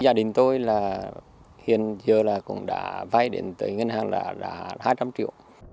gia đình tôi hiện giờ cũng đã vay đến tới ngân hàng là hai trăm linh triệu